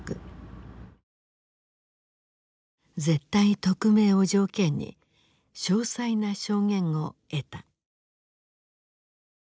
絶対匿名を条件に詳細な証言を得た。